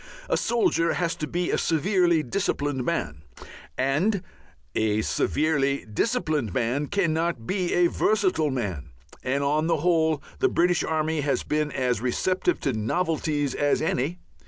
A soldier has to be a severely disciplined man, and a severely disciplined man cannot be a versatile man, and on the whole the British army has been as receptive to novelties as any.